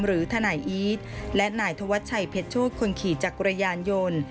หรือธนายอีศและหน่ายธวรรษชัยเผ็ดโชษคนขี่จากรยานยนต์